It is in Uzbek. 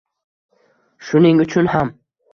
Shuning uchun ham